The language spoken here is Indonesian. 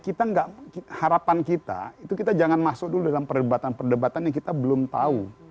kita harapan kita itu kita jangan masuk dulu dalam perdebatan perdebatan yang kita belum tahu